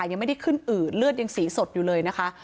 ยังไม่ได้ขึ้นอืดเลือดยังสีสดอยู่เลยนะคะ